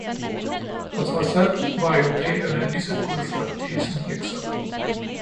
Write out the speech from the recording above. Og trods alt var europæerne lige så gudfrygtige som virksomme.